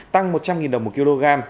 tăng một trăm linh đồng một kg